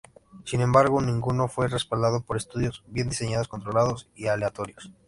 Sin embargo, ninguno fue respaldado por estudios bien diseñados, controlados y aleatorios.